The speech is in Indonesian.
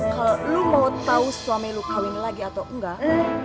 kalau lo mau tau suami lu kawin lagi atau enggak